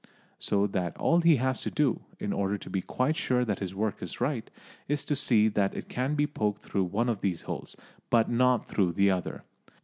So that all he has to do, in order to be quite sure that his work is right, is to see that it can be poked through one of these holes, but not through the other.